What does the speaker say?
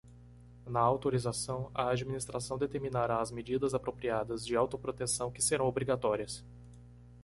Na autorização, a Administração determinará as medidas apropriadas de autoproteção que serão obrigatórias.